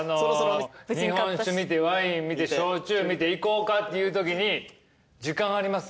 日本酒見てワイン見て焼酎見て行こうかっていうときに「時間あります？